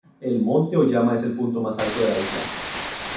El monte Oyama es el punto más alto de la isla.